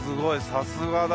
さすがだ！